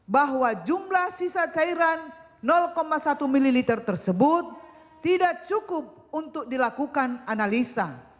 bahwa jumlah sisa cairan satu ml tersebut tidak cukup untuk dilakukan analisa